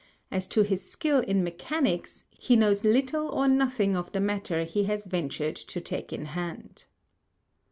as to his skill in Mechanics, he knows little or nothing of the matter he has venturŌĆÖd to take in Hand.